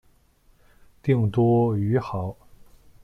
定都于亳。